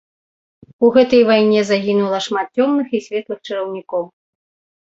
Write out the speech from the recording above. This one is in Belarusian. У гэтай вайне загінула шмат цёмных і светлых чараўнікоў.